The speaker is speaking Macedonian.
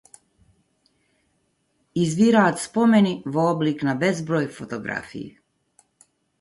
Извираат спомени, во облик на безброј фотографии.